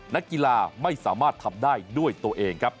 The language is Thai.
นักกีฬาไม่สามารถทำได้ด้วยตัวเองครับ